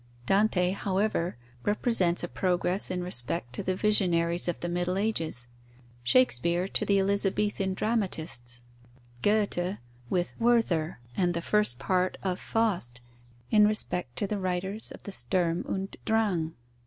Dante, however, represents a progress in respect to the visionaries of the Middle Ages, Shakespeare to the Elizabethan dramatists, Goethe, with Werther and the first part of Faust, in respect to the writers of the Sturm und Drang.